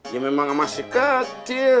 ya memang masih kecil